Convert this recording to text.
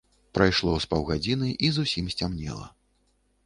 Прайшло з паўгадзiны, i зусiм сцямнела.